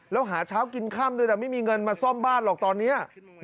แล้วหาเช้ากินค่ำด้วยนะไม่มีเงินมาซ่อมบ้านหรอกตอนนี้